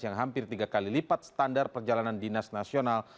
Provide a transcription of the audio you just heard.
yang hampir tiga kali lipat standar perjalanan dinas nasional